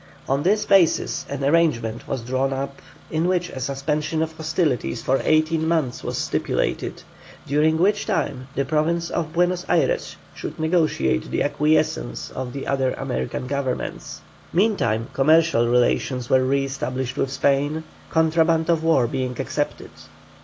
On this basis an arrangement was drawn up, in which a suspension of hostilities for eighteen months was stipulated, during which time the Province of Buenos Ayres should negotiate the acquiescence of the other American governments. Meantime commercial relations were re established with Spain, contraband of war being excepted.